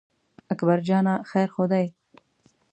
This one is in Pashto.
اکبر جانه خیر خو دی.